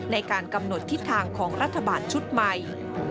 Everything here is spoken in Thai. ในการกำหนดทิศทางของรัฐบาลชุดใหม่